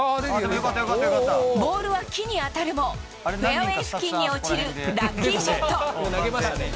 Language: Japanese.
ボールは木に当たるも、フェアウェー付近に落ちるラッキーショット。